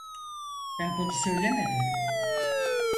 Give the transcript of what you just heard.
Ben bunu söylemedim.